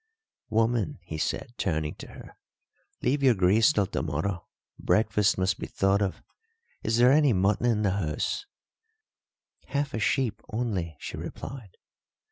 "Woman," he said, turning to her, "leave your grease till tomorrow. Breakfast must be thought of. Is there any mutton in the house?" "Half a sheep only," she replied.